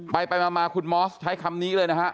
ไปมาคุณมอสใช้คำนี้เลยนะฮะ